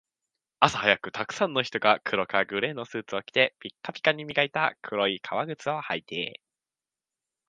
朝早く、沢山の人が黒かグレーのスーツを着て、ピカピカに磨いた黒い革靴を履いて